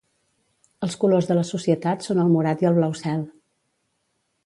Els colors de la societat són el morat i el blau cel.